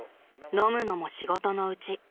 ［飲むのも仕事のうち］